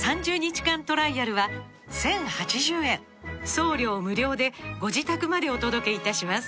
送料無料でご自宅までお届けいたします